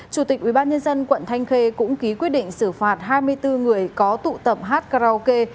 chủ tịch ubnd quận thanh khê cũng ký quyết định xử phạt hai mươi bốn người có tụ tập hát karaoke